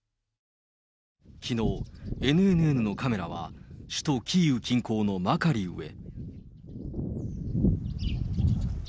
きのう、ＮＮＮのカメラは、首都キーウ近郊のマカリウへ。